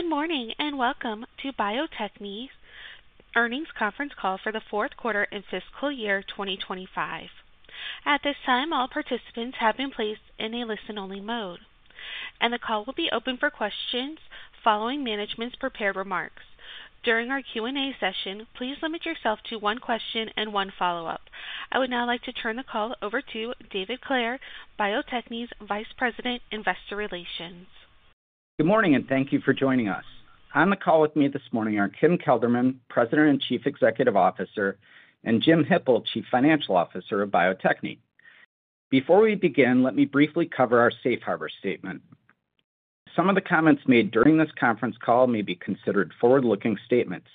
Good morning and welcome to Bio-Techne Earnings Conference call for the fourth quarter and fiscal year 2025. At this time, all participants have been placed in a listen only mode and the call will be open for questions following management's prepared remarks. During our Q&A session, please limit yourself to one question and one follow up. I would now like to turn the call over to David Clair, Bio-Techne's Vice President, Investor Relations. Good morning and thank you for joining us. On the call with me this morning are Kim Kelderman, President and Chief Executive Officer, and Jim Hippel, Chief Financial Officer of Bio-Techne. Before we begin, let me briefly cover our Safe Harbor statement. Some of the comments made during this conference call may be considered forward-looking statements,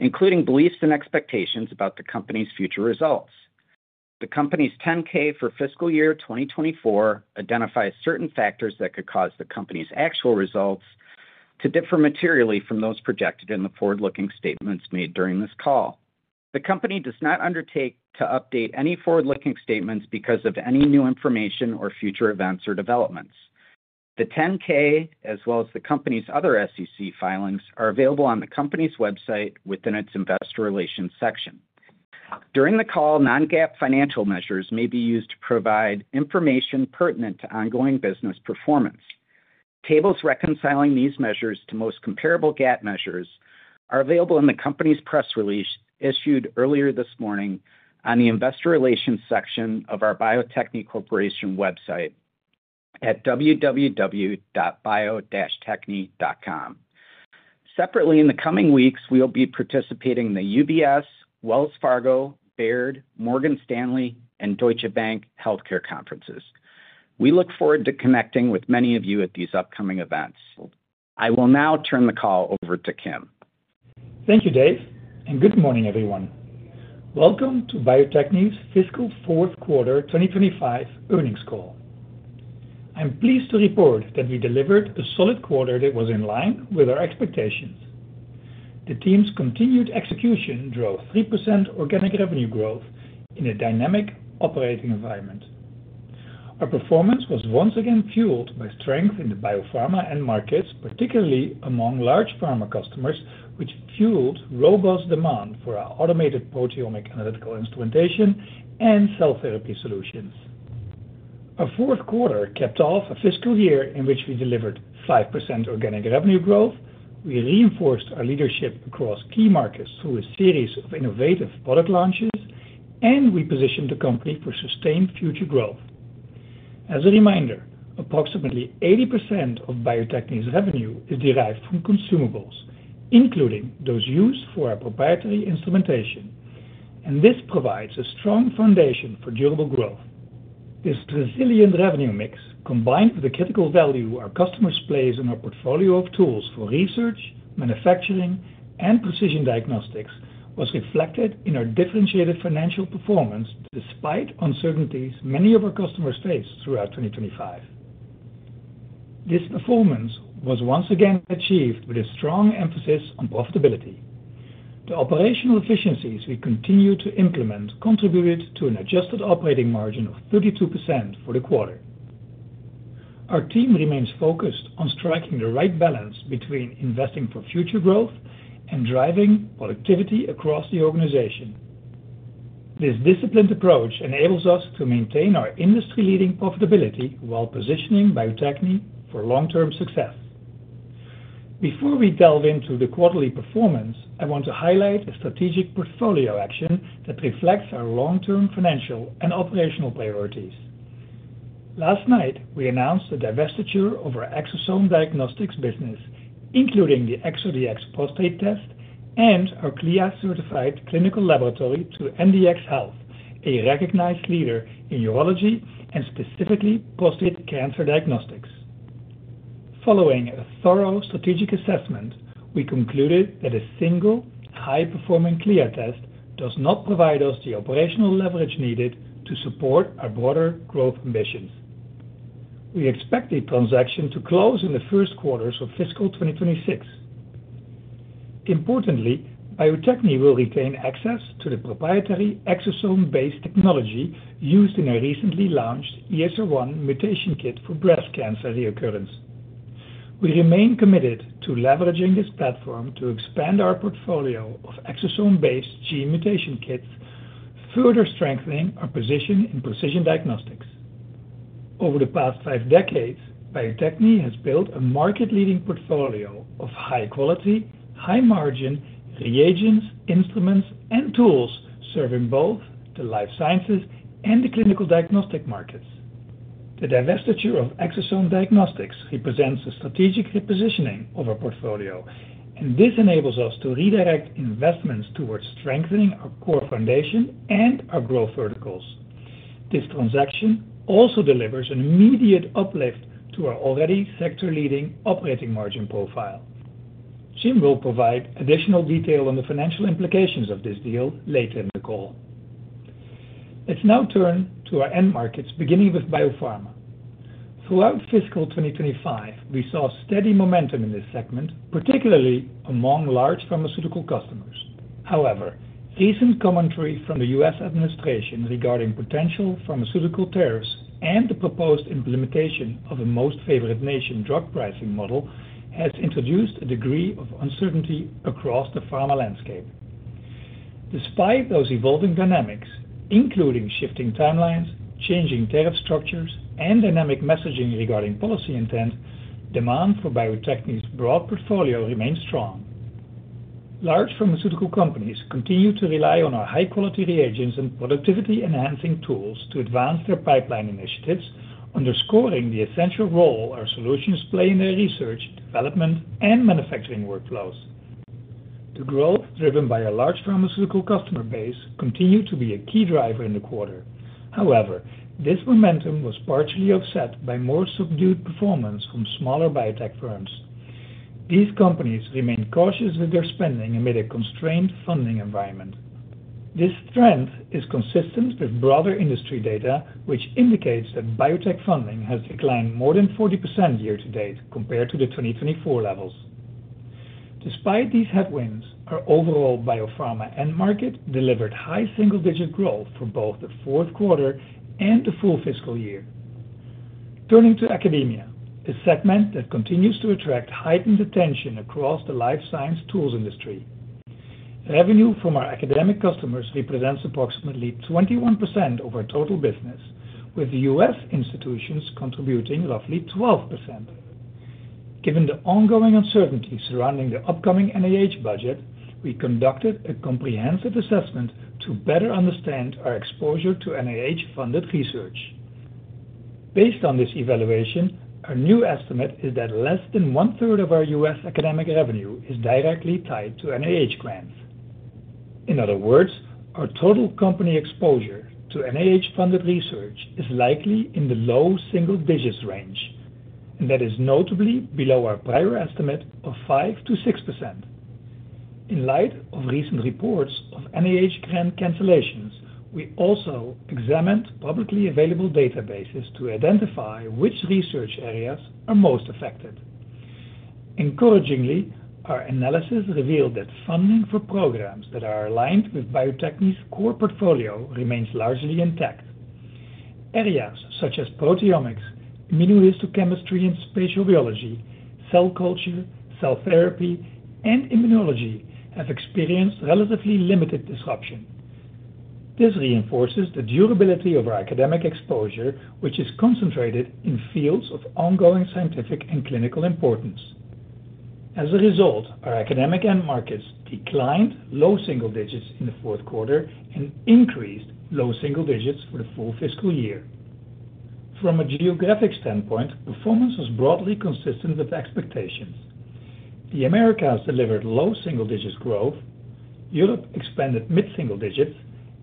including beliefs and expectations about the Company's future results. The Company's 10-K for fiscal year 2024 identifies certain factors that could cause the Company's actual results to differ materially from those projected in the forward-looking statements made during this call. The Company does not undertake to update any forward-looking statements because of any new information or future events or developments. The 10-K as well as the Company's other SEC filings are available on the Company's website within its Investor Relations section. During the call, non-GAAP financial measures may be used to provide information pertinent to ongoing business performance. Tables reconciling these measures to the most comparable GAAP measures are available in the Company's press release issued earlier this morning on the Investor Relations section of our Bio-Techne Corporation website at www.bio-techne.com. Separately, in the coming weeks, we will be participating in the UBS, Wells Fargo, Baird, Morgan Stanley, and Deutsche Bank Healthcare conferences. We look forward to connecting with many of you at these upcoming events. I will now turn the call over to Kim. Thank you, Dave, and good morning, everyone. Welcome to Bio-Techne's fiscal fourth quarter 2025 earnings call. I'm pleased to report that we delivered a solid quarter that was in line with our expectations. The team's continued execution drove 3% organic revenue growth in a dynamic operating environment. Our performance was once again fueled by strength in the biopharma end markets, particularly among large pharma customers, which fueled robust demand for our automated proteomic analytical instrumentation and cell therapy solutions. Our fourth quarter capped off a fiscal year in which we delivered 5% organic revenue growth. We reinforced our leadership across key markets through a series of innovative product launches and repositioned the company for sustained future growth. As a reminder, approximately 80% of Bio-Techne's revenue is derived from consumables, including those used for our proprietary instrumentation, and this provides a strong foundation for durable growth. This resilient revenue mix, combined with the critical value our customers place on our portfolio of tools for research, manufacturing, and precision diagnostics, was reflected in our differentiated financial performance. Despite uncertainties many of our customers faced throughout 2025, this performance was once again achieved with a strong emphasis on profitability. The operational efficiencies we continue to implement contributed to an adjusted operating margin of 32% for the quarter. Our team remains focused on striking the right balance between investing for future growth and driving productivity across the organization. This disciplined approach enables us to maintain our industry-leading profitability while positioning Bio-Techne for long-term success. Before we delve into the quarterly performance, I want to highlight a strategic portfolio action that reflects our long-term financial and operational priorities. Last night, we announced the divestiture of our Exosome Diagnostics business, including the ExoDx Prostate Test and our CLIA-certified clinical laboratory, to MDxHealth, a recognized leader in urology and specifically prostate cancer diagnostics. Following a thorough strategic assessment, we concluded that a single high-performing CLIA test does not provide us the operational leverage needed to support our broader growth missions. We expect the transaction to close in the first quarters of fiscal 2026. Importantly, Bio-Techne will retain access to the proprietary exosome-based technology used in a recently launched ESR1 mutation kit for breast cancer recurrence. We remain committed to leveraging this platform to expand our portfolio of exosome-based gene mutation kits, further strengthening our position in precision diagnostics. Over the past five decades, Bio-Techne has. Built a market-leading portfolio of high-quality, high-margin reagents, instruments, and tools serving both the life sciences and the clinical diagnostic markets. The divestiture of Exosome Diagnostics represents a strategic repositioning of our portfolio. This enables us to redirect investments towards strengthening our core foundation and our growth verticals. This transaction also delivers an immediate uplift to our already sector-leading operating margin profile. Jim will provide additional detail on the financial implications of this deal later in the call. Let's now turn to our end markets, beginning with biopharma. Throughout fiscal 2025, we saw steady momentum in this segment, particularly among large pharmaceutical customers. However, recent commentary from the U.S. Administration regarding potential pharmaceutical tariffs and the proposed implementation of a most favored nation drug pricing model has introduced a degree of uncertainty across the pharma landscape. Despite those evolving dynamics, including shifting timelines, changing tariff structures, and dynamic messaging regarding policy intent, demand for Bio-Techne's broad portfolio remains strong. Large pharmaceutical companies continue to rely on our high-quality reagents and productivity-enhancing tools to advance their pipeline initiatives, underscoring the essential role our solutions play in their research, development, and manufacturing workflows. The growth driven by a large pharmaceutical customer base continued to be a key driver in the quarter. However, this momentum was partially offset by more subdued performance from smaller biotech firms. These companies remain cautious with their spending amid a constrained funding environment. This trend is consistent with broader industry data, which indicates that biotech funding has declined more than 40% year to date compared to the 2024 levels. Despite these headwinds, our overall biopharma end market delivered high single-digit growth for both the fourth quarter and the full fiscal year. Turning to academia, a segment that continues to attract heightened attention across the life science tools industry, revenue from our academic customers represents approximately 21% of our total business, with U.S. institutions contributing roughly 12%. Given the ongoing uncertainty surrounding the upcoming NIH budget, we conducted a comprehensive assessment to better understand our exposure to NIH-funded research. Based on this evaluation, our new estimate is that less than 1/3 of our U.S. academic revenue is directly tied to NIH grants. In other words, our total company exposure to NIH funded research is likely in the low single digits range and that is notably below our prior estimate of 5%-6%. In light of recent reports of NIH grant cancellations, we also examined publicly available databases to identify which research areas are most affected. Encouragingly, our analysis revealed that funding for programs that are aligned with Bio-Techne's core portfolio remains largely intact. Areas such as proteomics, immunohistochemistry and spatial biology, cell culture, cell therapy and immunology have experienced relatively limited disruption. This reinforces the durability of our academic exposure which is concentrated in fields of ongoing scientific and clinical importance. As a result, our academic end markets declined low single digits in the fourth quarter and increased low single digits for the full fiscal year. From a geographic standpoint, performance was broadly consistent with expectations. The Americas delivered low single digits growth, Europe expanded mid single digits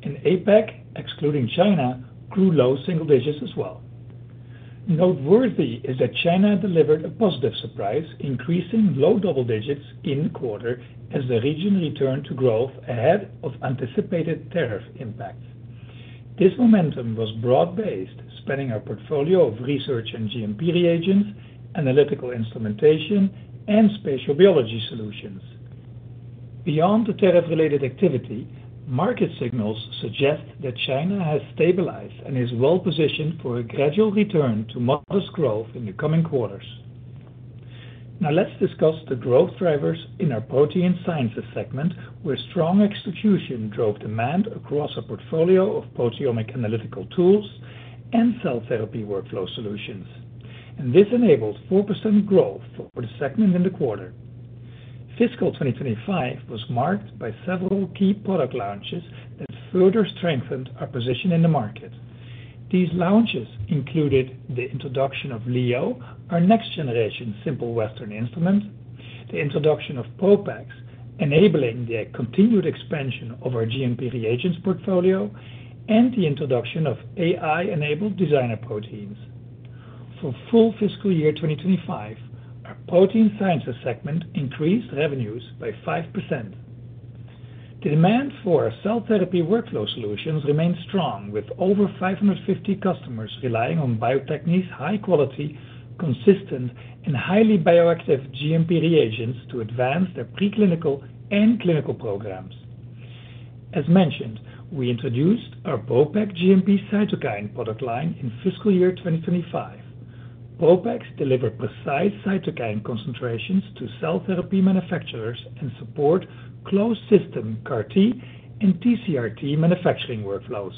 and APAC excluding China, grew low single digits as well. Noteworthy is that China delivered a positive surprise, increasing low double digits in the quarter as the region returned to growth ahead of anticipated tariff impacts. This momentum was broad based, spanning our portfolio of research and GMP reagents, analytical instrumentation and spatial biology solutions. Beyond the tariff related activity, market signals suggest that China has stabilized and is well positioned for a gradual return to model's growth in the coming quarters. Now let's discuss the growth drivers in our protein sciences segment where strong execution drove demand across a portfolio of proteomic analytical tools and cell therapy workflow solutions. This enabled 4% growth for the segment in the quarter. Fiscal 2025 was marked by several key product launches that further strengthened our position in the market. These launches included the introduction of Leo, our next generation Simple Western instrument, the introduction of ProPak enabling the continued expansion of our GMP reagents portfolio and the introduction of AI-enabled Designer Prote for full fiscal year 2025. Protein Sciences segment increased revenues by 5%. The demand for cell therapy workflow solutions remains strong with over 550 customers relying on Bio-Techne's high quality, consistent, and highly bioactive GMP reagents to advance their preclinical and clinical programs. As mentioned, we introduced our ProPak GMP Cytokines product line in fiscal year 2025. ProPak delivers precise cytokine concentrations to cell therapy manufacturers and supports closed system CAR-T and TCR-T manufacturing workflows.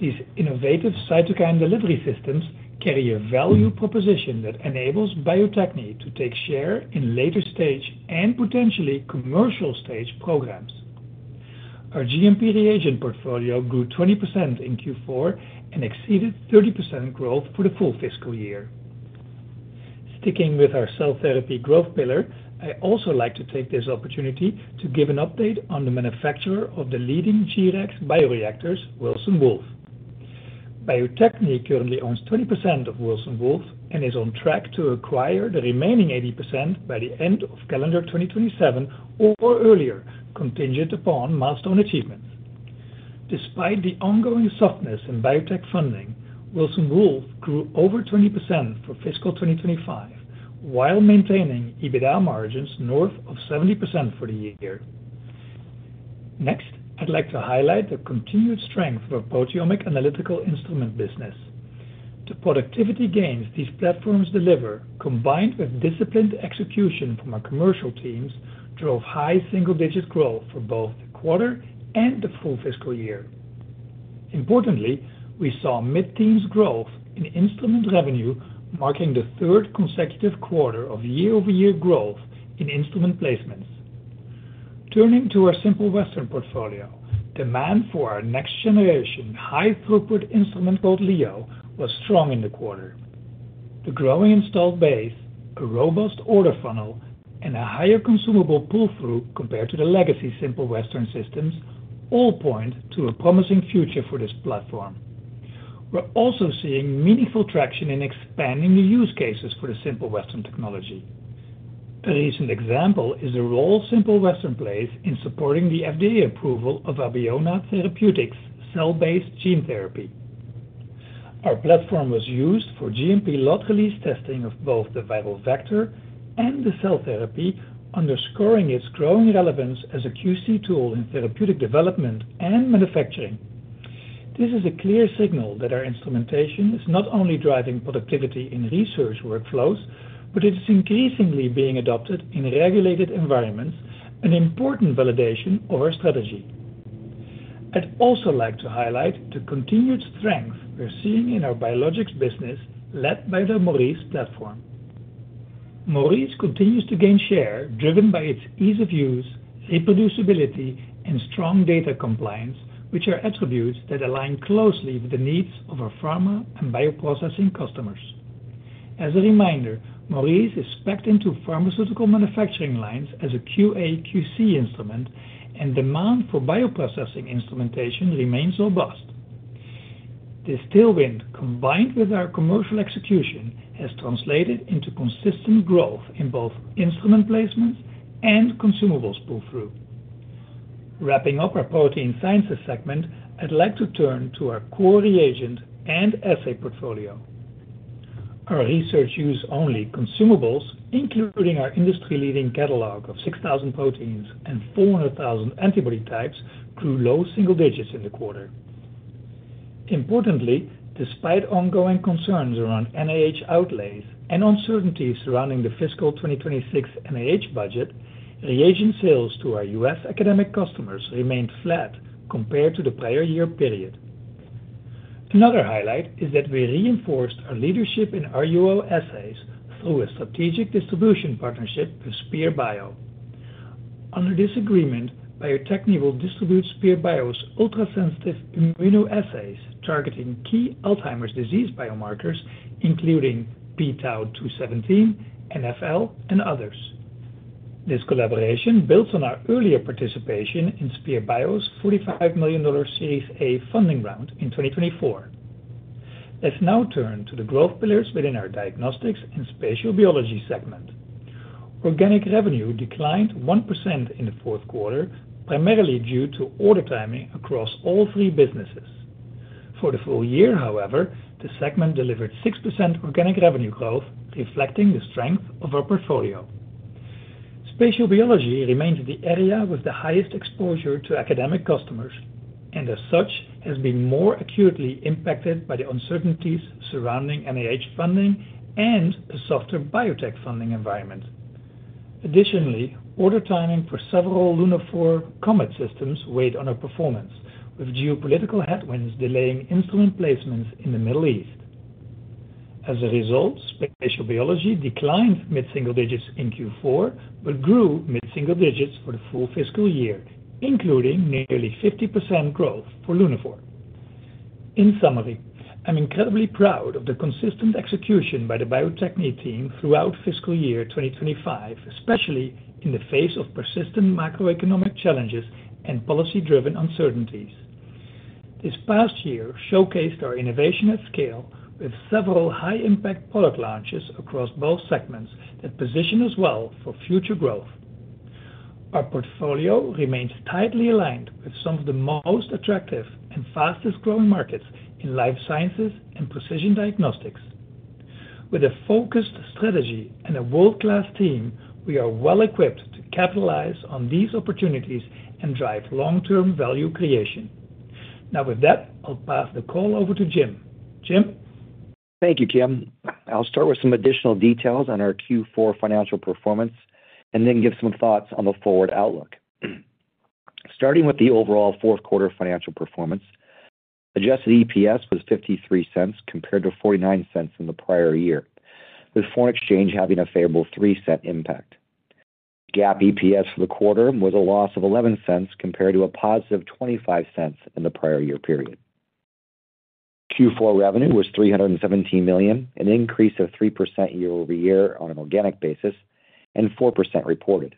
These innovative cytokine delivery systems carry a value proposition that enables Bio-Techne to take share in later stage and potentially commercial stage programs. Our GMP reagent portfolio grew 20% in Q4 and exceeded 30% growth for the full fiscal year. Sticking with our cell therapy growth pillar, I also would like to take this opportunity to give an update on the manufacturer of the leading G-Rex bioreactors, Wilson Wolf. Bio-Techne currently owns 20% of Wilson Wolf and is on track to acquire the remaining 80% by the end of calendar 2027 or earlier contingent upon milestone achievements. Despite the ongoing softness in biotech funding, Wilson Wolf grew over 20% for fiscal 2025 while maintaining EBITDA margins north of 70% for the year. Next, I'd like to highlight the continued strength of our proteomic analytical instrument business. The productivity gains these platforms deliver, combined with disciplined execution from our commercial teams, drove high single digit growth for both the quarter and the full fiscal year. Importantly, we saw mid teens growth in instrument revenue, marking the third consecutive quarter of year over year growth in instrument placements. Turning to our Simple Western portfolio, demand for our next generation high throughput instrument, Simple Western Leo System, was strong in the quarter. The growing installed base, a robust order funnel, and a higher consumable pull through compared to the legacy Simple Western systems all point to a promising future for this platform. We're also seeing meaningful traction in expanding the use cases for the Simple Western technology. A recent example is the role Simple Western plays in supporting the FDA approval of Abeona Therapeutics' cell based gene therapy. Our platform was used for GMP lot release testing of both the viral vector and the cell therapy, underscoring its growing relevance as a QC tool in therapeutic development and manufacturing. This is a clear signal that our instrumentation is not only driving productivity in research workflows, but it is increasingly being adopted in regulated environments, an important validation of our strategy. I'd also like to highlight the continued strength we're seeing in our biologics business. Led by the Maurice platform, Maurice continues to gain share, driven by its ease of use, reproducibility, and strong data compliance, which are attributes that align closely with the needs of our pharma and bioprocessing customers. As a reminder, Maurice is packed into pharmaceutical manufacturing lines as a QA/QC instrument, and demand for bioprocessing instrumentation remains robust. This tailwind, combined with our commercial execution, has translated into consistent growth in both instrument placements and consumables pull-through. Wrapping up our Protein Sciences segment, I'd like to turn to our core reagent and assay portfolio. Our research use only consumables, including our industry-leading catalog of 6,000 proteins and 400,000 antibody types, grew low single digits in the quarter. Importantly, despite ongoing concerns around NIH outlays and uncertainties surrounding the fiscal 2026 NIH budget, reagent sales to our U.S. academic customers remained flat compared to the prior year period. Another highlight is that we reinforced our leadership in RUO assays through a strategic distribution partnership with Spear Bio. Under this agreement, Bio-Techne will distribute Spear Bio's ultrasensitive immunoassays targeting key Alzheimer's disease biomarkers, including pTau217, NFL, and others. This collaboration builds on our earlier participation in Spear Bio's $45 million Series A funding round in 2024. Let's now turn to the growth pillars within our Diagnostics and Spatial Biology segment. Organic revenue declined 1% in the fourth quarter, primarily due to order timing across all three businesses. For the full year, however, the segment delivered 6% organic revenue growth, reflecting the strength of our portfolio. Spatial Biology remains the area with the highest exposure to academic customers and as such has been more acutely impacted by the uncertainties surrounding NIH funding and a softer biotech funding environment. Additionally, order timing for several Lunaphore COMET systems weighed on performance, with geopolitical headwinds delaying instrument placements in the Middle East. As a result, Spatial Biology declined mid single digits in Q4, but grew mid single digits for the full fiscal year, including nearly 50% growth for Lunaphore. In summary, I'm incredibly proud of the consistent execution by the Bio-Techne team throughout fiscal year 2025, especially in the face of persistent macroeconomic challenges and policy-driven uncertainties. This past year showcased our innovation at scale with several high-impact product launches across both segments that position us well for future growth. Our portfolio remains tightly aligned with some of the most attractive and fastest-growing markets in life science and precision diagnostics. With a focused strategy and a world-class team, we are well equipped to capitalize on these opportunities and drive long-term value creation. Now. With that, I'll pass the call over to Jim. Jim Thank you, Kim. I'll start with some additional details on our Q4 financial performance and then give some thoughts on the forward outlook, starting with the overall fourth quarter financial performance. Adjusted EPS was $0.53 compared to $0.49 in the prior year, with foreign exchange having a favorable $0.03 impact. GAAP EPS for the quarter was a loss of $0.11 compared to a positive $0.25 in the prior year period. Q4 revenue was $317 million, an increase of 3% year-over-year on an organic basis and 4% reported.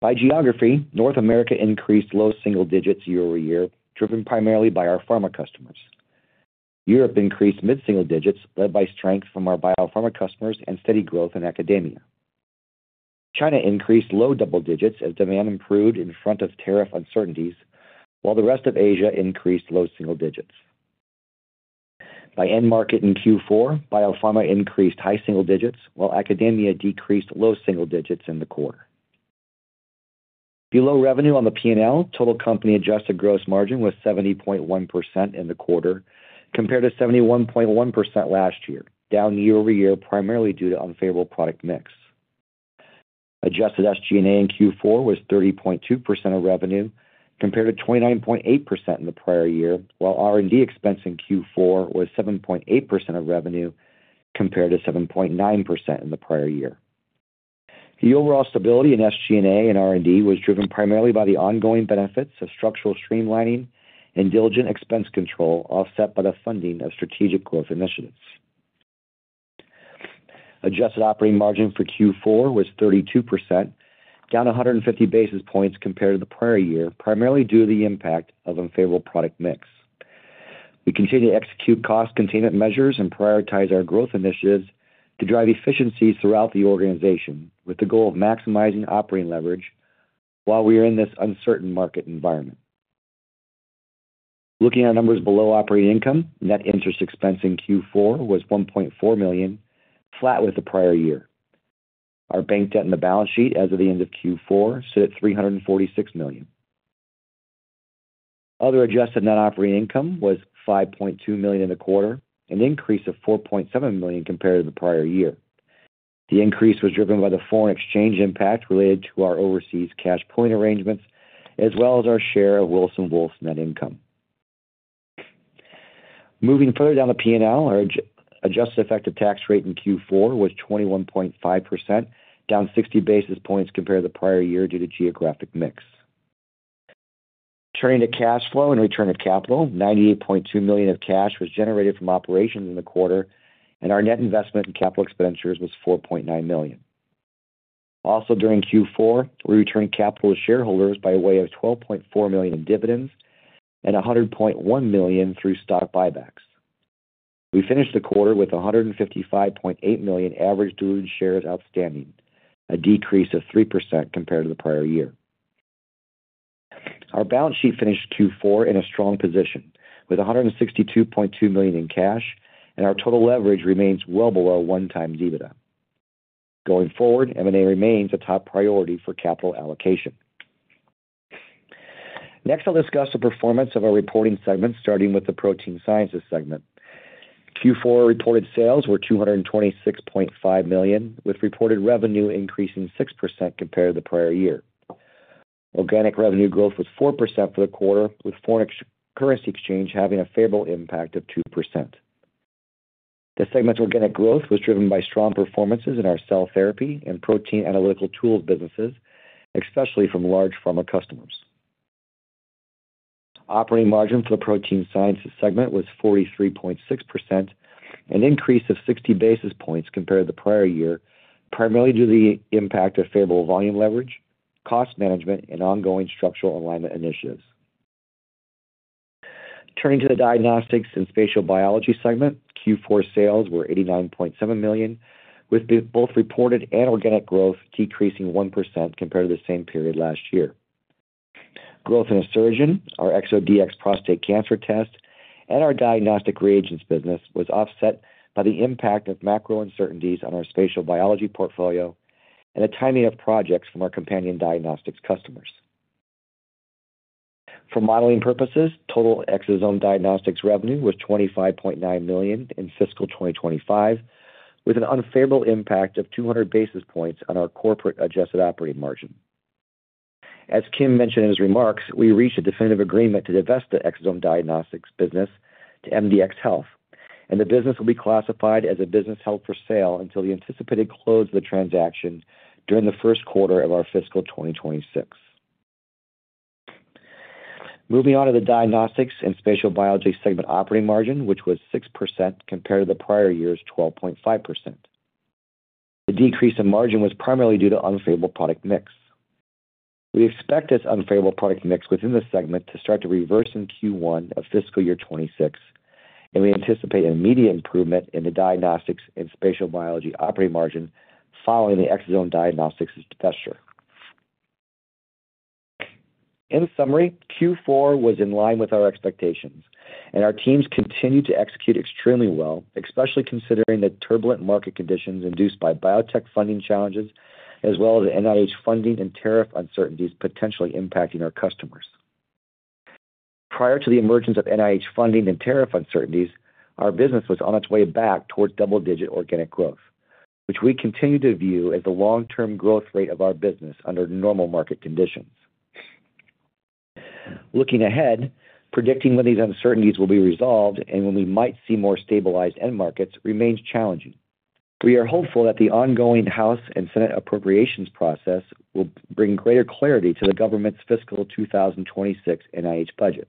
By geography, North America increased low single digits year over year, driven primarily by our pharma customers. Europe increased mid single digits, led by strength from our biopharma customers and steady growth in academia. China increased low double digits as demand improved in front of tariff uncertainties, while the rest of Asia increased low single digits. By end market, in Q4 biopharma increased high single digits, while academia decreased low single digits in the quarter. Below revenue on the P&L, total company adjusted gross margin was 70.1% in the quarter compared to 71.1% last year, down year over year primarily due to unfavorable product mix. Adjusted SG&A in Q4 was 30.2% of revenue compared to 29.8% in the prior year, while R&D expense in Q4 was 7.8% of revenue compared to 7.9% in the prior year. The overall stability in SG&A and R&D was driven primarily by the ongoing benefits of structural streamlining and diligent expense control, offset by the funding of strategic growth initiatives. Adjusted operating margin for Q4 was 32%, down 150 basis points compared to the prior year, primarily due to the impact of unfavorable product mix. We continue to execute cost containment measures and prioritize our growth initiatives to drive efficiencies throughout the organization with the goal of maximizing operating leverage while we are in this uncertain market environment. Looking at numbers below operating income, net interest expense in Q4 was $1.4 million, flat with the prior year. Our bank debt in the balance sheet as of the end of Q4 sits at $346 million. Other adjusted net operating income was $5.2 million in the quarter, an increase of $4.7 million compared to the prior year. The increase was driven by the foreign exchange impact related to our overseas cash point arrangements as well as our share of Wilson Wolf's net income. Moving further down the P&L, our adjusted effective tax rate in Q4 was 21.5%, down 60 basis points compared to the prior year due to geographic mix. Turning to cash flow and return of capital, $98.2 million of cash was generated from operations in the quarter and our net investment in capital expenditures was $4.9 million. Also during Q4, we returned capital to shareholders by way of $12.4 million in dividends and $100.1 million through stock buybacks. We finished the quarter with 155.8 million average diluted shares outstanding, a decrease of 3% compared to the prior year. Our balance sheet finished 2024 in a strong position with $162.2 million in cash and our total leverage remains well below 1x EBITDA. Going forward, M&A remains a top priority for capital allocation. Next, I'll discuss the performance of our reporting segment, starting with the Protein Sciences segment. Q4 reported sales were $226.5 million, with reported revenue increasing 6% compared to the prior year. Organic revenue growth was 4% for the quarter, with foreign currency exchange having a favorable impact of 2%. The segment's organic growth was driven by strong performances in our cell therapy and protein analytical tools businesses, especially from large pharma customers. Operating margin for the Protein Sciences segment was 43.6%, an increase of 60 basis points compared to the prior year, primarily due to the impact of favorable volume leverage, cost management, and ongoing structural alignment initiatives. Turning to the Diagnostics and Spatial Biology segment, Q4 sales were $89.7 million with both reported and organic growth decreasing 1% compared to the same period last year. Growth in our ExoDx Prostate Test and our diagnostic reagents business was offset by the impact of macro uncertainties on our spatial biology portfolio and the timing of projects from our companion diagnostics customers for modeling purposes. Total Exosome Diagnostics revenue was $25.9 million in fiscal 2024 with an unfavorable impact of 200 basis points on our corporate adjusted operating margin as Kim mentioned in his remarks. We reached a definitive agreement to divest the Exosome Diagnostics business to MDxHealth and the business will be classified as a business held for sale until the anticipated close of the transaction during the first quarter of our fiscal 2025. Moving on to the Diagnostics and Spatial Biology segment operating margin, which was 6% compared to the prior year's 12.5%. The decrease in margin was primarily due to unfavorable product mix. We expect this unfavorable product mix within the segment to start to reverse in Q1 of fiscal year 2026, and we anticipate immediate improvement in the Diagnostics and Spatial Biology operating margin following the Exosome Diagnostics divestiture. In summary, Q4 was in line with our expectations and our teams continue to execute extremely well, especially considering the turbulent market conditions induced by biotech funding challenges as well as NIH funding and tariff uncertainties potentially impacting our customers. Prior to the emergence of NIH funding and tariff uncertainties, our business was on its way back towards double-digit organic revenue growth, which we continue to view as the long-term growth rate of our business under normal market conditions. Looking ahead, predicting when these uncertainties will be resolved and when we might see more stabilized end markets remains challenging. We are hopeful that the ongoing House and Senate appropriations process will bring greater clarity to the government's fiscal 2026 NIH budget.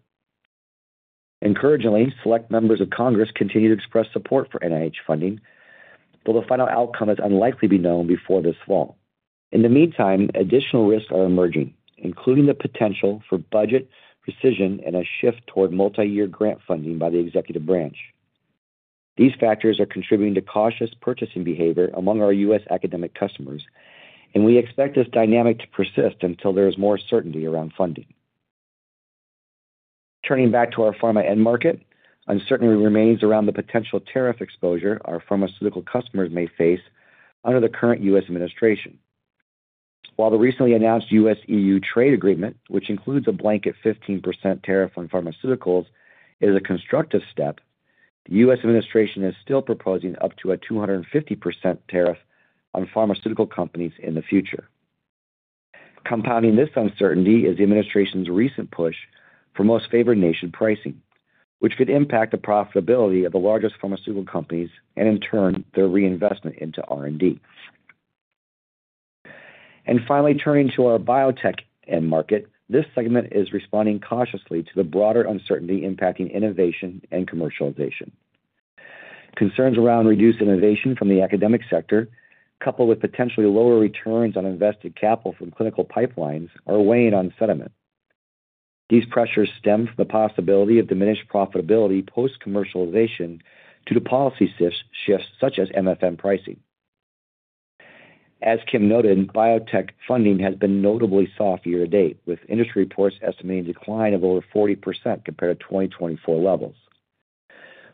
Encouragingly, select members of Congress continue to express support for NIH funding, though the final outcome is unlikely to be known before this fall. In the meantime, additional risks are emerging, including the potential for budget precision and a shift toward multi-year grant funding by the Executive Branch. These factors are contributing to cautious purchasing behavior among our U.S. academic customers, and we expect this dynamic to persist until there is more certainty around funding. Turning back to our pharma end market, uncertainty remains around the potential tariff exposure our pharmaceutical customers may face under the current U.S. administration. While the recently announced U.S.-E.U. trade agreement, which includes a blanket 15% tariff on pharmaceuticals, is a constructive step, the U.S. administration is still proposing up to a 250% tariff on pharmaceutical companies in the future. Compounding this uncertainty is the administration's recent push for Most Favored Nation pricing, which could impact the profitability of the largest pharmaceutical companies and in turn their reinvestment into R&D. Finally, turning to our biotech end market, this segment is responding cautiously to the broader uncertainty impacting innovation and commercialization. Concerns around reduced innovation from the academic sector, coupled with potentially lower returns on invested capital from clinical pipelines, are weighing on sentiment. These pressures stem from the possibility of diminished profitability post-commercialization due to policy shifts such as MFM pricing. As Kim noted, biotech funding has been notably soft year to date, with industry reports estimating a decline of over 40% compared to 2023 levels.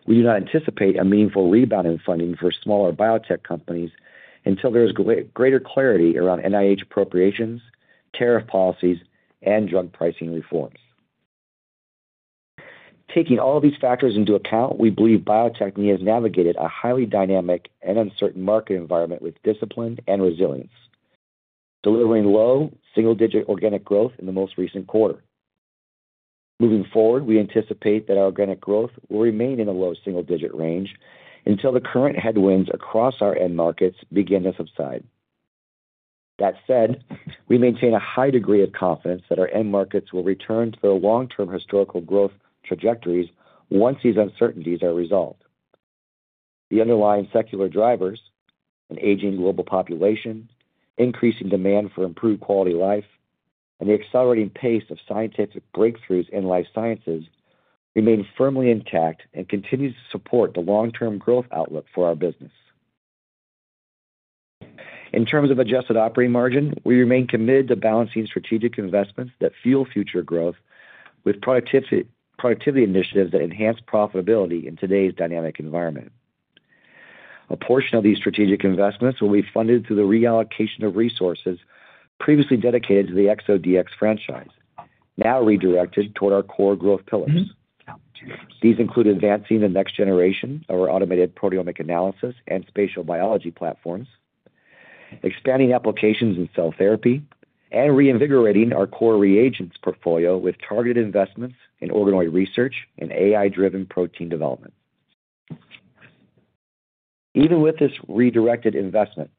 We do not anticipate a meaningful rebound in funding for smaller biotech companies until there is greater clarity around NIH appropriations, tariff policies, and drug pricing reforms. Taking all these factors into account, we believe Bio-Techne has navigated a highly dynamic and uncertain market environment with discipline and resilience, delivering low single-digit organic growth in the most recent quarter. Moving forward, we anticipate that our organic growth will remain in a low single-digit range until the current headwinds across our end markets begin to subside. That said, we maintain a high degree of confidence that our end markets will return to their long-term historical growth trajectories once these uncertainties are resolved. The underlying secular drivers, an aging global population, increasing demand for improved quality of life, and the accelerating pace of scientific breakthroughs in life sciences, remain firmly intact and continue to support the long-term growth outlook for our business. In terms of adjusted operating margin, we remain committed to balancing strategic investments that fuel future growth with productivity initiatives that enhance profitability in today's dynamic environment. A portion of these strategic investments will be funded through the reallocation of resources previously dedicated to the ExoDx franchise, now redirected toward our core growth pillars. These include advancing the next generation of our automated proteomic analysis and spatial biology platforms, expanding applications in cell therapy, and reinvigorating our core reagents portfolio with targeted investments in organoid research and AI-driven protein development. Even with this redirected investment,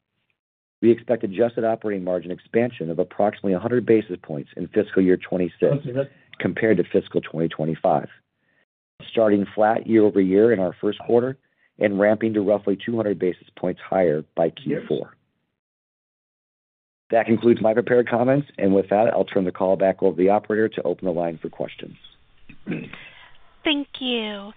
we expect adjusted operating margin expansion of approximately 100 basis points in fiscal year 2026 compared to fiscal 2025, starting flat year-over-year in our first quarter and ramping to roughly 200 basis points higher by Q4. That concludes my prepared comments, and with that I'll turn the call back over to the operator to open the line for questions. Thank you.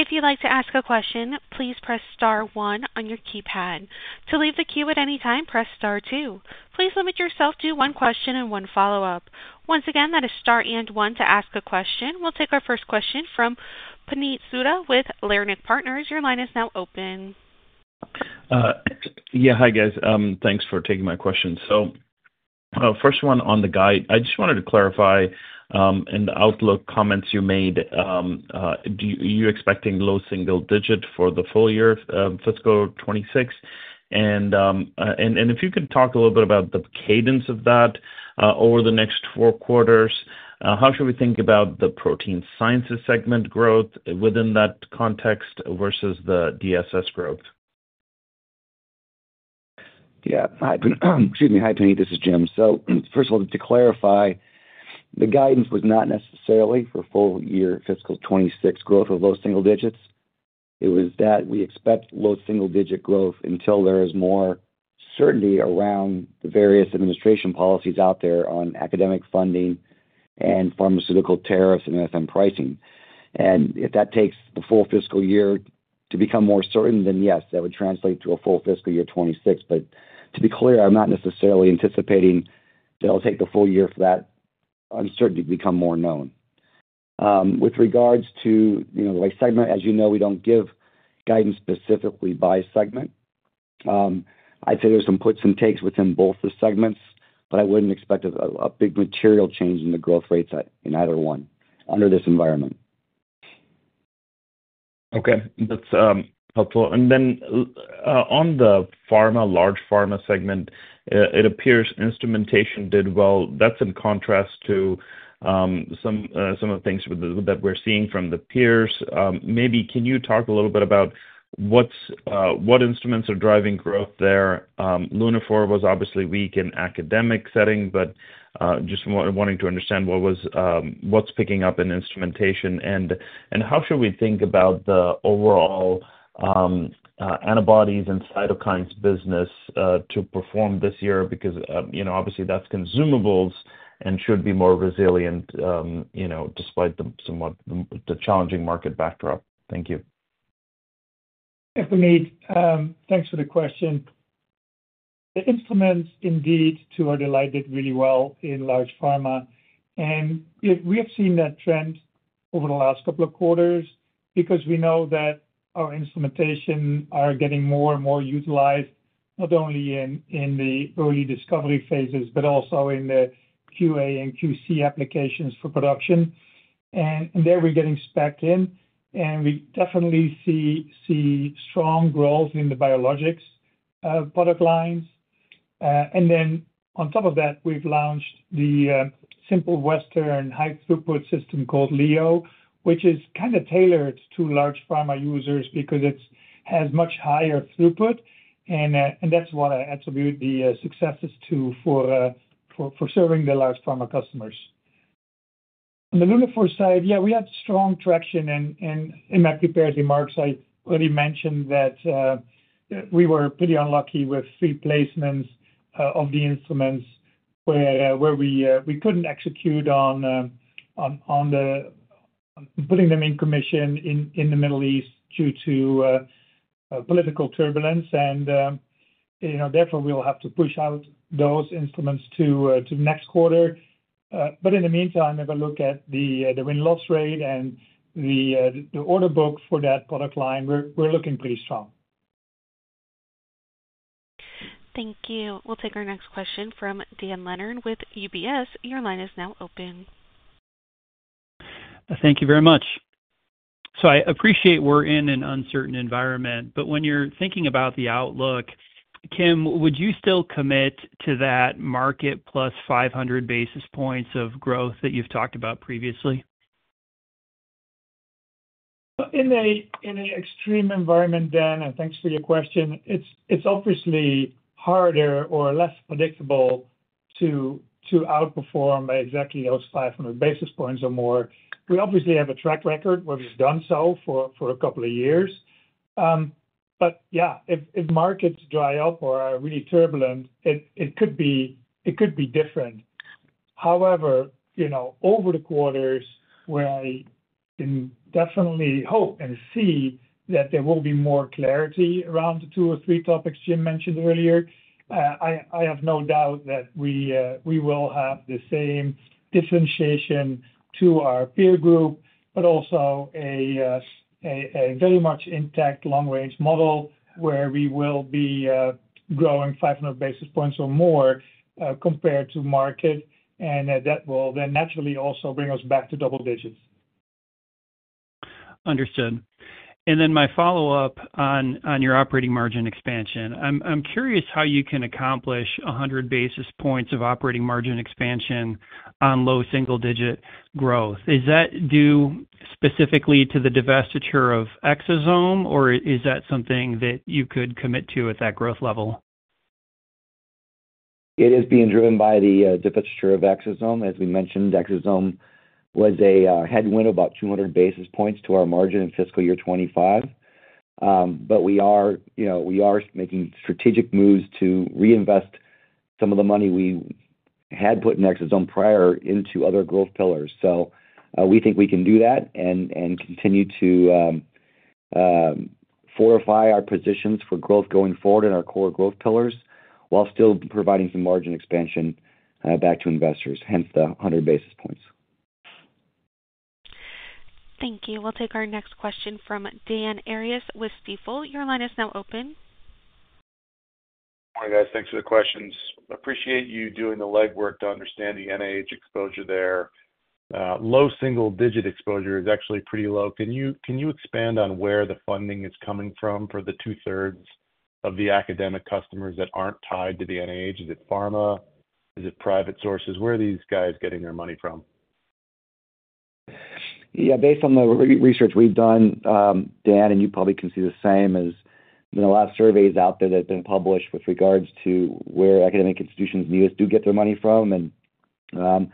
If you'd like to ask a question, please press star one on your keypad. To leave the queue at any time, press star two. Please limit yourself to one question and one follow-up. Once again, that is star and 1 to ask a question. We'll take our first question from Puneet Souda with Laranith Partners. Your line is now open. Yeah, hi guys, thanks for taking my question. First one on the guide. I just wanted to clarify in the outlook comments you made, are you expecting low single digit for the full year fiscal 2026? If you could talk a little bit about the cadence of that over the next four quarters, how should we think about the protein sciences segment growth within that context versus the DSS growth? Excuse me. Hi Penny, this is Jim. First of all, to clarify, the guidance was not necessarily for full year fiscal 2026 growth of low single digits. It was that we expect low single digit growth until there is more certainty around the various administration policies out there on academic funding and pharmaceutical tariffs and FM pricing. If that takes the full fiscal year to become more certain, then yes, that would translate to a full fiscal year 2026. To be clear, I'm not necessarily anticipating that it'll take the full year for that uncertainty to become more known. With regards to the segment, as you know, we don't give guidance specifically by segment. I think there's some puts and takes within both the segments, but I wouldn't expect a big material change in the growth rates in either one under this environment. That's helpful. Then on the pharma, large pharma segment, it appears instrumentation did well. That's in contrast to some of the things that we're seeing from the peers. Maybe can you talk a little bit about what instruments are driving growth there? Lunaphore was obviously weak in academic setting, but just wanting to understand what was picking up in instrumentation and how should we think about the overall antibodies and cytokines business to perform this year? Because, you know, obviously that's consumables and should be more resilient, you know, despite somewhat the challenging market backdrop. Thank you. If we need. Thanks for the question. The instruments indeed to our delight did really well in large pharma, and we have seen that trend over the last couple of quarters because we know that our instrumentation are getting more and more utilized not only in the early discovery phases but also in the QA and QC applications for production. There we're getting spec in, and we definitely see strong growth in the biologics product lines. On top of that, we've launched the Simple Western high throughput system called Leo, which is kind of tailored to large pharma users because it has much higher throughput. That's what I attribute the successes to for serving the large pharma customers. On the Lunaphore side, yeah, we had strong traction, and Matt's prepared remarks already mentioned that we were pretty unlucky with replacements of the instruments where we couldn't execute on putting them in commission in the Middle East due to political turbulence, and therefore we'll have to push out those instruments to the next quarter. In the meantime, if I look at the win-loss rate and the order book for that product line, we're looking pretty strong. Thank you. We'll take our next question from Dan Leonard with UBS. Your line is now open. Thank you very much. I appreciate we're in an uncertain environment, but when you're thinking about the outlook, Kim, would you still commit to that market plus 500 basis points of growth that you've talked about previously? In an extreme environment? Dan, thanks for your question. It's obviously harder or less predictable to outperform by exactly those 500 basis points or more. We obviously have a track record where we've done so for a couple of years. If markets dry up or are really turbulent, it could be different. However, over the quarters where I can definitely hope and see that there will be more clarity around the two or three topics Jim mentioned earlier, I have no doubt that we will have the same differentiation to our peer group but also a very much intact long range model where we will be growing 500 basis points or more compared to market and that will then naturally also bring us back to double digits. Understood. My follow up on your operating margin expansion. I'm curious how you can accomplish 100 basis points of operating margin expansion on low single digit growth. Is that due specifically to the divestiture?f Exosome or is that something that you could commit to at that growth level? It is being driven by the divestiture of Exosome Diagnostics. As we mentioned, Exosome Diagnostics was a headwind of about 200 basis points to our margin in fiscal year 2025. We are making strategic moves to reinvest some of the money we had put in Exosome Diagnostics prior into other growth pillars. We think we can do that and continue to fortify our positions for growth going forward in our core growth pillars while still providing some margin expansion back to investors. Hence the 100 basis points. Thank you. We'll take our next question from Dan Arias with Stifel. Your line is now open. Morning guys. Thanks for the questions. Appreciate you doing the legwork to understand the NIH exposure there. Low single digit exposure is actually pretty low. Can you expand on where the funding is coming from for the 2/3 of the academic customers that aren't tied to the NIH? Is it pharma, is it private sources? Where are these guys getting their money from? Yeah, based on the research we've done, Dan, and you probably can see the same as the last surveys out there that have been published with regards to where academic institutions in the U.S. do get their money from. It's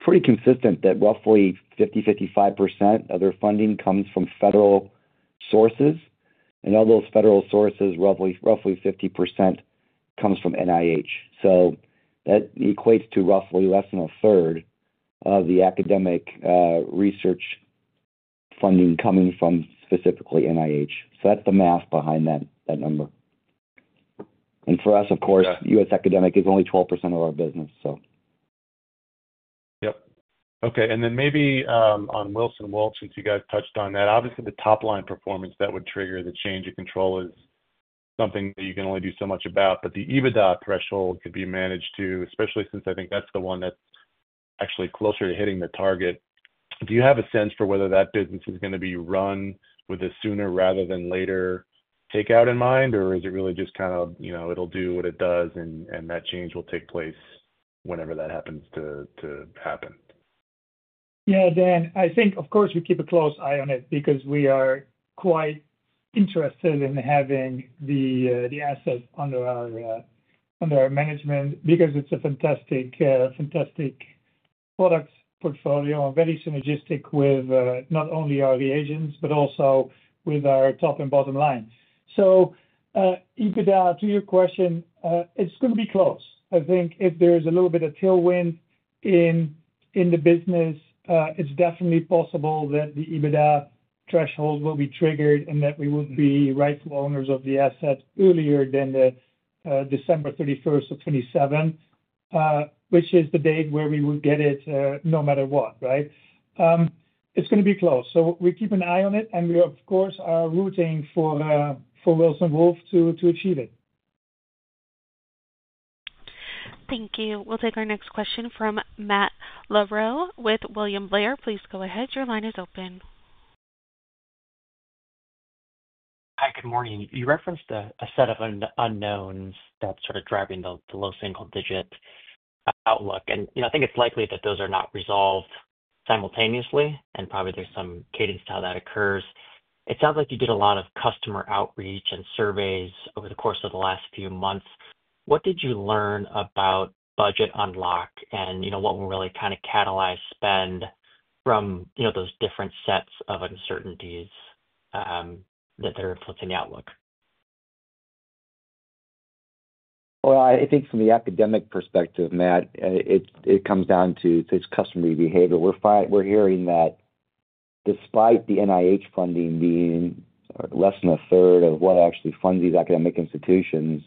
pretty consistent that roughly 50%-55% of their funding comes from federal sources and of those federal sources, roughly 50% comes from NIH. That equates to roughly less than a third of the academic research funding coming from specifically NIH. That's the math behind that number. For us, of course, U.S. academic is only 12% of our business. Yep. Okay. Maybe on Wilson Wolf, since you guys touched on that, obviously the top line performance that would trigger the change of control is something that you can only do so much about. The EBITDA threshold could be managed too, especially since I think that's the one that's actually closer to hitting the target. Do you have a sense for whether that business is going to be running with a sooner rather than later takeout in mind or is it really just kind of, you know, it'll do what it does and that change will take place whenever that happens to happen? Yeah, Dan, I think, of course we keep a close eye on it because we are quite interested in having the assets under our management because it's a fantastic product portfolio, very synergistic with not only our agents but also with our top and bottom line. EBITDA, to your question, it's going to be close. I think if there is a little bit of tailwind in the business, it's definitely possible that the EBITDA threshold will be triggered and that we would be rightful owners of the asset earlier than December 31st, 2027, which is the date where we would get it no matter what. It's going to be close. We keep an eye on it and we of course are rooting for Wilson Wolf to achieve it. Thank you. We'll take our next question from Matt Larow with William Blair. Please go ahead. Your line is open. Hi, good morning. You referenced a set of unknowns that's sort of driving the low single digit outlook. I think it's likely that those are not resolved simultaneously and probably there's some cadence to how that occurs. It sounds like you did a lot of customer outreach and surveys over the course of the last few months. What did you learn about Budget Unlock? You know what will really kind of catalyze spend from those different sets of uncertainties that are influencing the outlook? I think from the academic perspective, Matt, it comes down to customary behavior. We're hearing that despite the NIH funding being less than a third of what actually funds these academic institutions,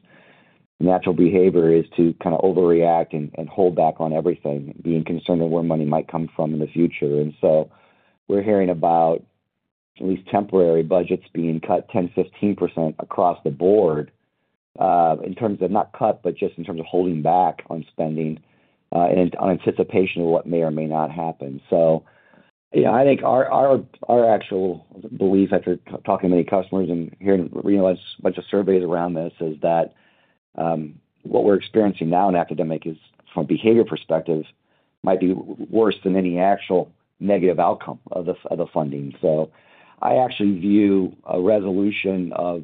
natural behavior is to kind of overreact and hold back on everything, being concerned of where money might come from in the future. We're hearing about at least temporary budgets being cut 10%, 15% across the board, not cut, but just in terms of holding back on spending, in anticipation of what may or may not happen. I think our actual belief after talking to many customers and hearing a bunch of surveys around this is that what we're experiencing now in academic is, from a behavior perspective, might be worse than any actual negative outcome of the other funding. I actually view a resolution of,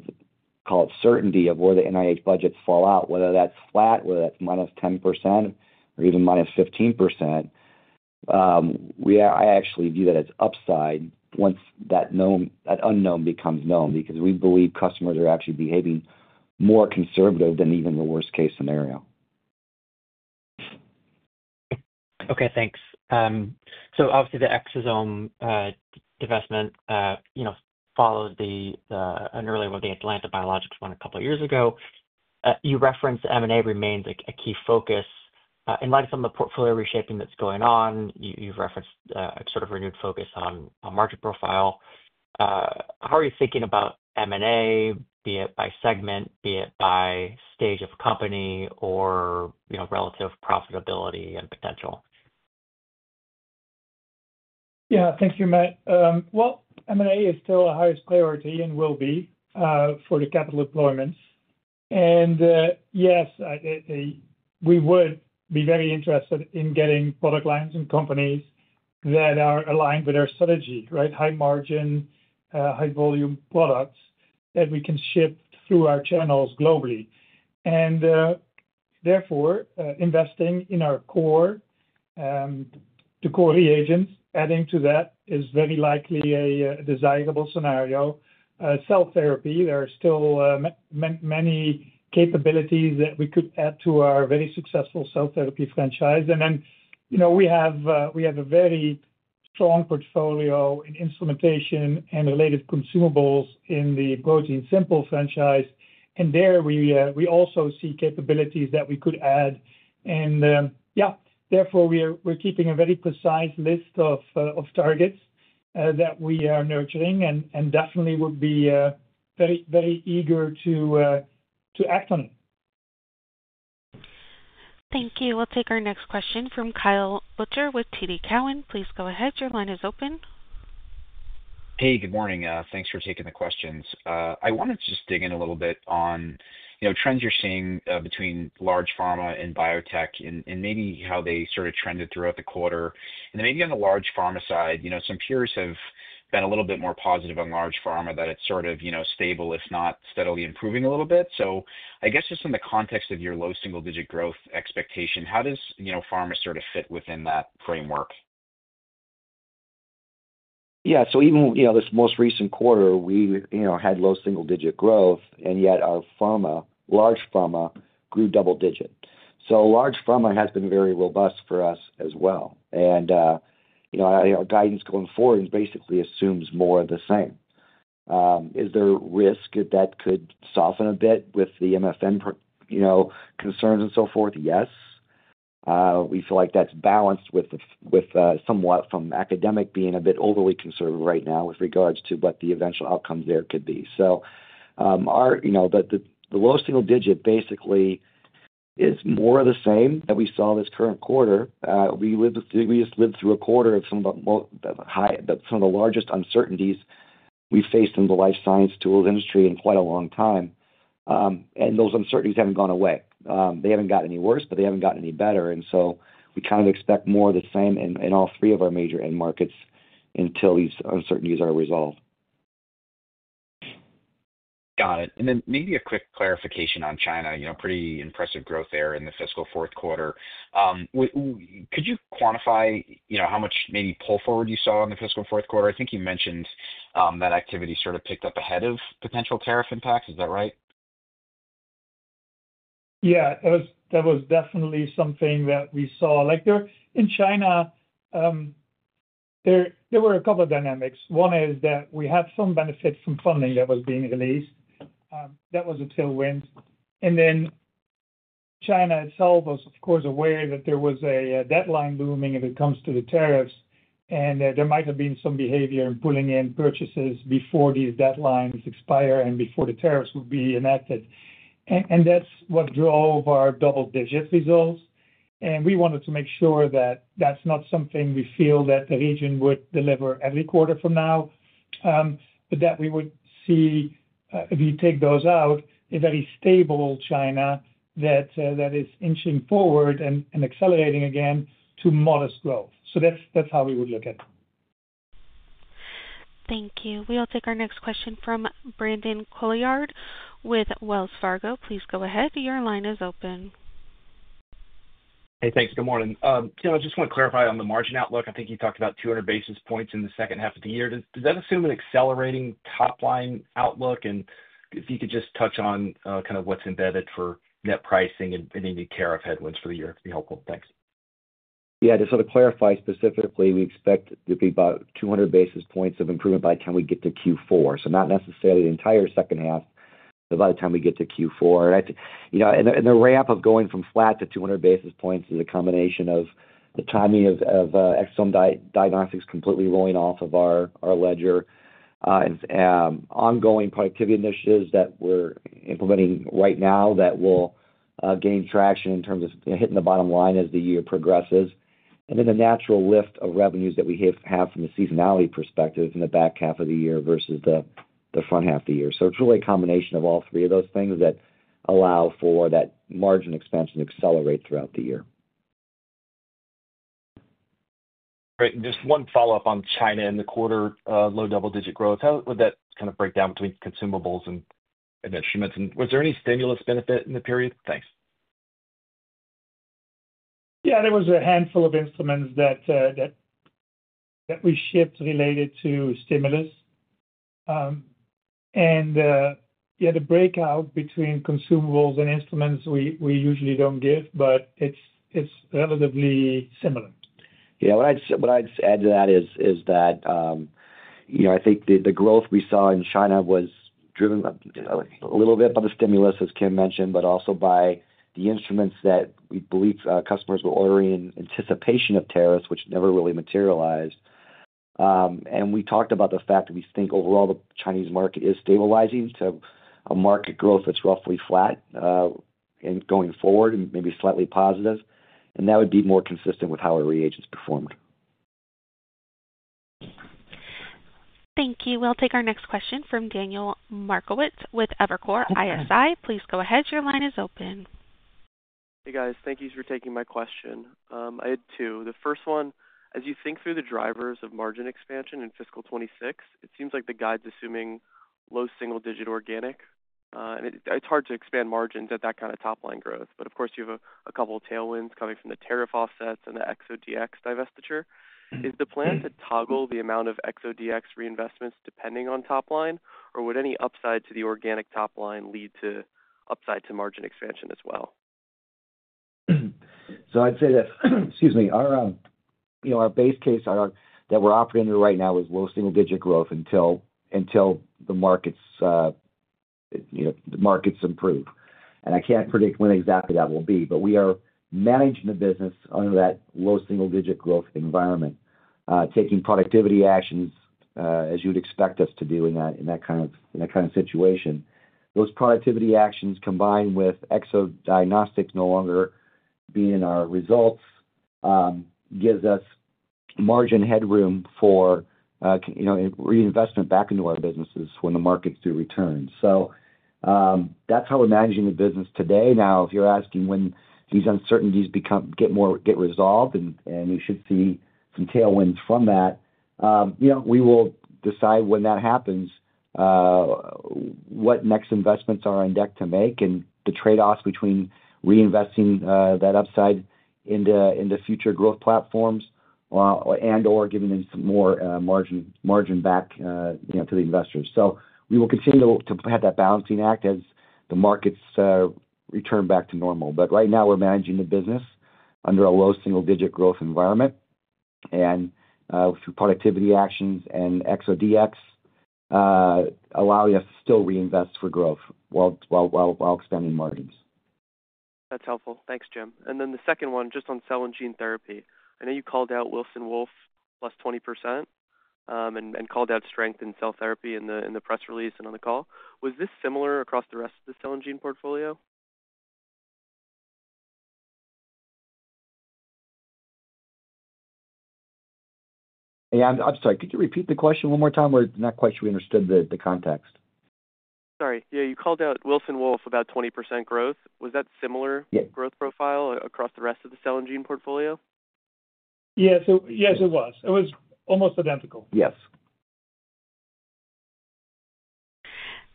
call it certainty of where the NIH budgets fall out, whether that's flat, whether that's -10% or even -15%. We actually view that as upside once that unknown becomes known because we believe customers are actually behaving more conservative than even the worst case scenario. Okay, thanks. Obviously the Exosome divestment follows an early one, the Atlanta Biologics one. A couple years ago you referenced M&A remains a key focus in light of some of the portfolio reshaping that's going on. You've referenced sort of renewed focus on market profile. How are you thinking about M&A, be it by segment, be it by stage of company or relative profitability and potential. Thank you, Matt. M&A is still the highest priority and will be for the capital deployments. Yes, we would be very interested in getting product lines and companies that are aligned with our strategy. High margin, high volume products that we can ship through our channels globally and therefore investing in our core to core reagents. Adding to that is very likely a desirable scenario. Cell therapy. There are still many capabilities that we could add to our very successful cell therapy franchise. We have a very strong portfolio in instrumentation and related consumables in the ProteinSimple franchise. There, we also see capabilities that we could add and we are keeping a very precise list of targets that we are nurturing and definitely would be very, very eager to act on. Thank you. We'll take our next question from Kyle Boucher with TD Cowen, please. Go ahead, your line is open. Hey, good morning. Thanks for taking the questions, I wanted to just dig in a little bit on, you know, trends you're seeing between large pharma and biotech and maybe how they sort of trended throughout the quarter and then maybe on the large pharma side, you know, some peers have been a little bit more positive on large pharma that it's sort of, you know, stable if not steadily improving a little bit. I guess just in the context of your low single digit growth expectation, how does, you know, pharmaceuticals fit within that framework? Yeah, so even, you know, this most recent quarter we, you know, had low single digit growth and yet our pharma, large pharma grew double digit. Large pharma has been very robust for us as well. Guidance going forward basically assumes more of the same. Is there risk that that could soften a bit with the MFN, you know, concerns and so forth? Yes, we feel like that's balanced with somewhat from academic being a bit overly conservative right now with regards to what the eventual outcomes there could be. The low single digit basically is more of the same that we saw this current quarter. We just lived through a quarter of some of the largest uncertainties we faced in the life science tools industry in quite a long time. Those uncertainties haven't gone away. They haven't gotten any worse, but they haven't gotten any better. We kind of expect more of the same in all three of our major end markets until these uncertainties are resolved. Got it. Maybe a quick clarification on China. Pretty impressive growth there in the fiscal fourth quarter. Could you quantify, you know, how much maybe pull forward you saw in the fiscal fourth quarter? I think you mentioned that activity sort of picked up ahead of potential tariff impacts. Is that right? Yeah, that was definitely something that we saw in China. There were a couple of dynamics. One is that we had some benefit from funding that was being released that was a tailwind. China itself was, of course, aware that there was a deadline looming when it comes to the tariffs. There might have been some behavior in pulling in purchases before these deadlines expire and before the tariffs would be enacted. That's what drove our double-digit results. We wanted to make sure that that's not something we feel the region would deliver every quarter. If you take those out, you would see a very stable China that is inching forward and accelerating again to modest growth. That's how we would look at it. Thank you. We'll take our next question from Brandon Collard with Wells Fargo. Please go ahead. Your line is open. Hey, thanks. Good morning. I just want to clarify on the margin outlook. I think you talked about 200 basis points in the second half of the year. Does that assume an accelerating top line outlook? If you could just touch on kind of what's embedded for net pricing and any new care of headwinds for the year. Helpful. Thanks. Yeah. Just to clarify specifically, we expect to be about 200 basis points of improvement by the time we get to Q4, so not necessarily the entire second half, by the time we get to Q4. The ramp of going from flat to 200 basis points is a combination of the timing of Exosome Diagnostics completely rolling off of our ledger, ongoing productivity initiatives that we're implementing right now that will gain traction in terms of hitting the bottom line as the year progresses, and then the natural lift of revenues that we have from a seasonality perspective in the back half of the year versus the front half of the year. It's really a combination of all three of those things that allow for that margin expansion to accelerate throughout the year. Great. Just one follow up on China in the quarter, low double digit growth. How would that kind of break down between consumables and instruments? Was there any stimulus benefit in the period? Thanks. Yeah, there was a handful of instruments that we shipped related to stimulus, and yet a breakout between consumables and instruments we usually don't give, but it's relatively similar. Yeah. What I'd add to that is that I think the growth we saw in China was driven a little bit by the stimulus, as Kim mentioned, but also by the instruments that we believe customers were ordering in anticipation of tariffs, which never really materialized. We talked about the fact that we think overall the Chinese market is stabilizing to a market growth that's roughly flat going forward and maybe slightly positive. That would be more consistent with how our reagents perform. Thank you. We'll take our next question from Daniel Markowitz with Evercore ISI. Please go ahead. Your line is open. Hey guys, thank you for taking my question. I had two. The first one, as you think through the drivers of margin expansion in fiscal 2026, it seems like the guide's assuming low single digit organic. It's hard to expand margins at that kind of top line growth. Of course, you have a couple of tailwinds coming from the tariff offsets and the Exosome Diagnostics divestiture. Is the plan to toggle the amount of Exosome Diagnostics reinvestments depending on top line, or would any upside to the organic top line lead to upside to margin expansion as well? I'd say this, our base case that we're operating right now is low single digit growth until the markets improve. I can't predict when exactly that will be, but we are managing the business under that low single digit growth environment, taking productivity actions as you'd expect us to do in that kind of situation. Those productivity actions combined with Exosome Diagnostics no longer being in our results gives us margin headroom for reinvestment back into our businesses when the markets do return. That's how we're managing the business today. If you're asking when these uncertainties get resolved and we should see some tailwinds from that, we will decide when that happens what next investments are on deck to make and the trade-offs between reinvesting that upside in the future growth platforms and, or giving some more margin back to the investors. We will continue to have that balancing act as the markets return back to normal. Right now we're managing the business under a low single digit growth environment, and through productivity actions and Exosome Diagnostics allow us to still reinvest for growth while expanding margins. That's helpful. Thanks, Jim. The second one, just on cell and gene therapy. I know you called out Wilson Wolf plus 20% and called out strength in cell therapy in the press release and on the call. Was this similar across the rest of the cell and gene portfolio? I'm sorry, could you repeat the question one more time? We're not quite sure we understood the context. Sorry. Yeah. You called out Wilson Wolf about 20% growth. Was that similar growth profile across the rest of the cell and gene portfolio? Yes, it was almost identical. Yes.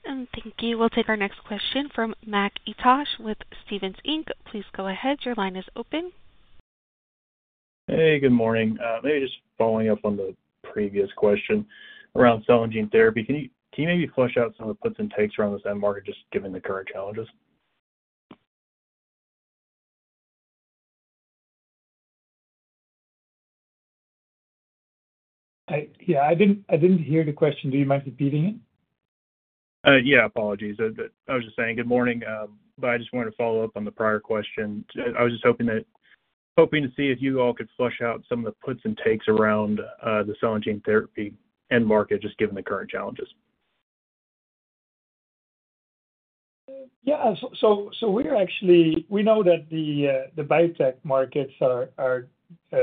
Thank you. We'll take our next question from Mac Etosh with Stephens Inc. Please go ahead. Your line is open. Hey, good morning. Maybe just following up on the previous question around cell and gene therapy. Can you maybe flesh out some of the puts and takes around this end market just given the current challenges? I didn't hear the question. Do you mind repeating it? Apologies, I was just saying good morning. I just wanted to follow up on the prior question. I was hoping to see if you all could flesh out some of the puts and takes around the cell and gene therapy end market just given the current challenges. Yeah, we're actually, we know that the biotech markets are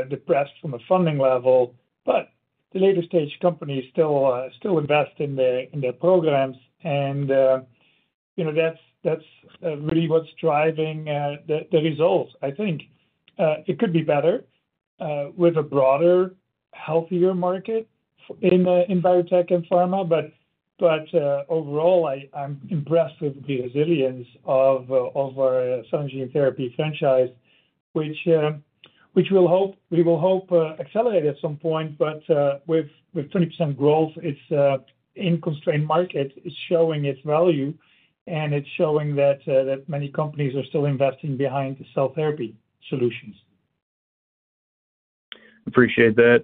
depressed from a funding level, but the later stage companies still invest in their programs and you know that's really what's driving the results. I think it could be better with a broader, healthier market in biotech and pharma. Overall, I'm impressed with the resilience of our cell and gene therapy franchise, which we will hope accelerate at some point. With 20% growth, it's an unconstrained market, it's showing its value, and it's showing that many companies are still investing behind the cell therapy solutions. Appreciate that.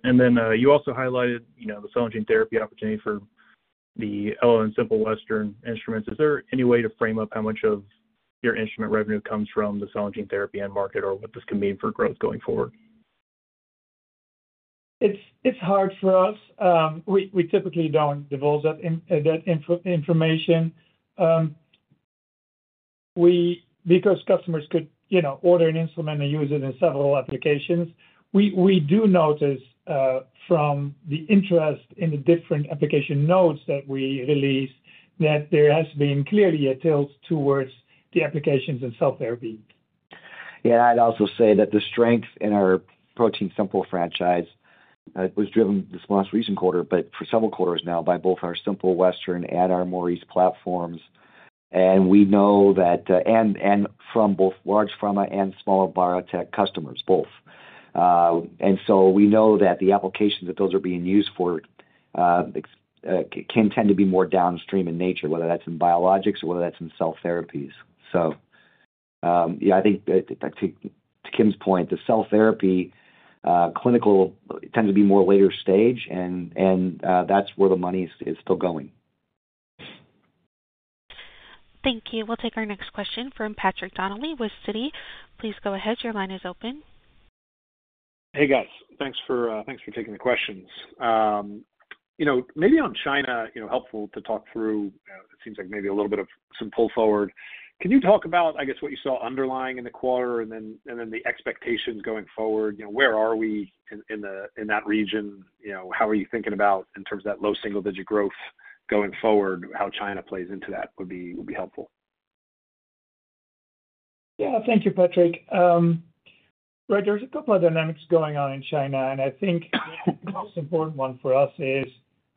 You also highlighted the cell and gene therapy opportunity for the Ella and Simple Western instruments. Is there any way to frame up how much of your instrument revenue comes from the cell and gene therapy end market or what this can mean for growth going forward? It's hard for us. We typically don't divulge that input information because customers could, you know, order an instrument and use it in several applications. We do notice from the interest in the different application nodes that we release that there has been clearly a tilt towards the applications in cell therapy. I'd also say that the strength in our ProteinSimple franchise was driven this last recent quarter, but for several quarters now, by both our Simple Western and our Maurice platforms. We know that from both large pharma and smaller biotech customers. We know that the applications that those are being used for can tend to be more downstream in nature, whether that's in biologics or whether that's in cell therapies. I think to Kim's point, the cell therapy clinical tends to be more later stage, and that's where the money is still going. Thank you. We'll take our next question from Patrick Donnelly with Citi. Please go ahead. Your line is open. Thanks for taking the questions. Maybe on China, you know, helpful to talk through. It seems like maybe a little bit of some pull forward. Can you talk about what you saw underlying in the quarter and then the expectations going forward, you know, where are we in that region? You know, how are you thinking about in terms of that low single digit growth going forward? How China plays into that would be helpful. Thank you, Patrick. There are a couple of dynamics going on in China, and I think the most important one for us is,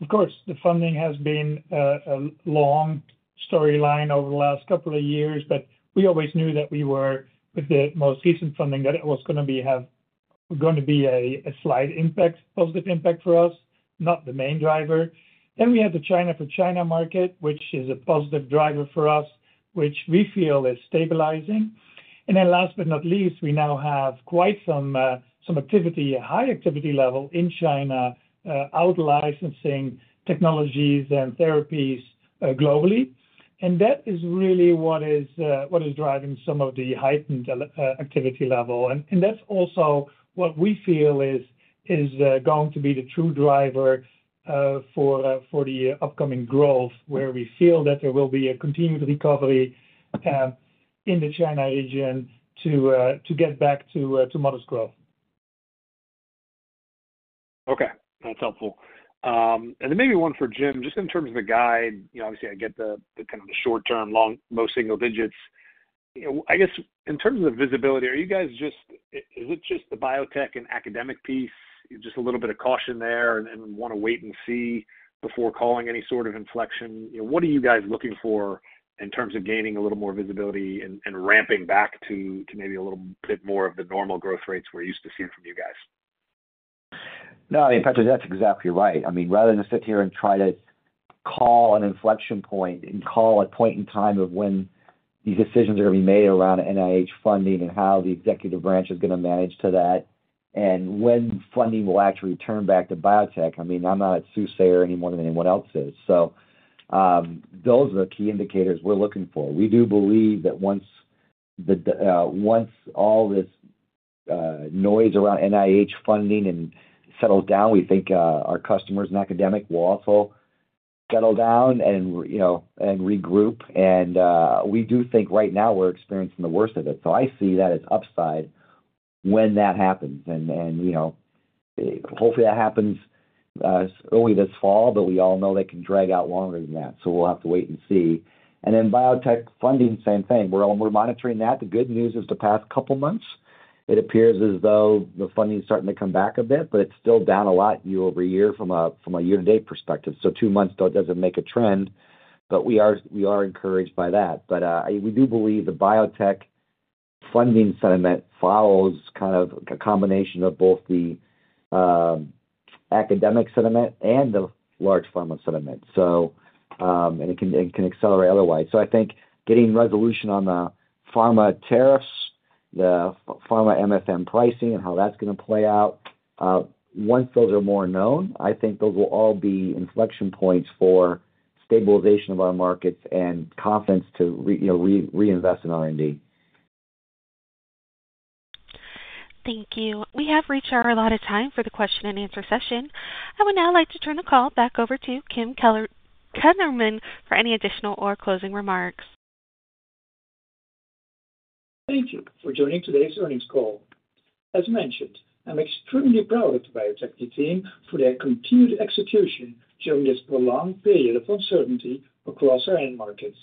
of course, the funding has been a long storyline over the last couple of years, but we always knew that with the most recent funding, it was going to have a slight impact, a positive impact for us, not the main driver. We had the China for China market, which is a positive driver for us, which we feel is stabilizing. Last but not least, we now have quite some activity, a high activity level in China out-licensing technologies and therapies globally. That is really what is driving some of the heightened activity level, and that's also what we feel is going to be the true driver for the upcoming growth, where we feel that there will be a continued recovery in the China region to get back to modest growth. Okay, that's helpful. Maybe one for Jim. Just in terms of the guide, you. Obviously, I get the kind of the short term, long, low single digits, I guess, in terms of visibility. Is it just the biotech and academic piece, just a little bit of caution there and want to wait and see before calling any sort of inflection. What are you guys looking for in terms of gaining a little more visibility and ramping back to maybe a little bit more of the normal growth rates we're used to seeing from you guys? No, I mean, Patrick, that's exactly right. I mean rather than sit here and try to call an inflection point and call a point in time of when these decisions are going to be made around NIH funding and how the executive branch is going to manage to that and when funding will actually turn back to biotech. I'm not soothsayer any more than anyone else is, so those are the key indicators we're looking for. We do believe that once all this noise around NIH funding is settled down, we think our customers and academic will also settle down and regroup. We do think right now we're experiencing the worst of it. I see that as upside when that happens and hopefully that happens early this fall, but we all know they can drag out longer than that, so we'll have to wait and see. Biotech funding, same thing. We're all monitoring that. The good news is the past couple months it appears as though the funding's starting to come back a bit, but it's still down a lot year-over-year from a year to date perspective. Two months though it doesn't make a trend, but we are encouraged by that. We do believe the biotech funding sentiment follows kind of a combination of both the academic sentiment and the large pharma sentiment. It can accelerate otherwise. I think getting resolution on the pharma tariffs, the pharma MFM pricing and how that's going to play out, once those are more known, I think those will all be inflection points for stabilization of our markets and confidence to reinvest in R&D. Thank you. We have reached our allotted time for the question and answer session. I would now like to turn the call back over to Kim Kelderman for any additional or closing remarks. Thank you for joining today's earnings call. As mentioned, I'm extremely proud of the Bio-Techne team for their continued execution during this prolonged period of uncertainty across our end markets.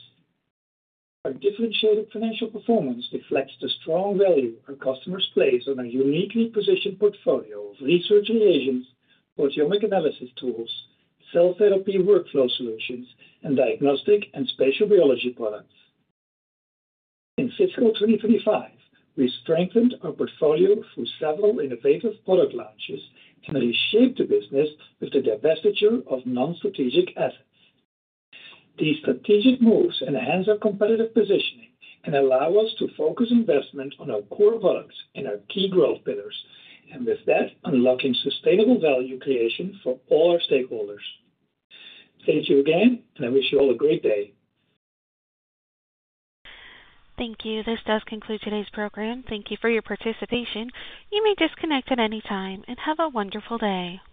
Our differentiated financial performance reflects the strong value our customers place on a uniquely positioned portfolio of research reagents, proteomic analysis tools, cell therapy workflow solutions, and diagnostic and spatial biology products. In fiscal 2025, we strengthened our portfolio through several innovative product launches and reshaped the business with the divestiture of non-strategic assets. These strategic moves enhance our competitive positioning and allow us to focus investment on our core values and our key growth pillars, and with that, unlocking sustainable value creation for all our stakeholders. Thank you again and I wish you all a great day. Thank you. This does conclude today's program. Thank you for your participation. You may disconnect at any time and have a wonderful day.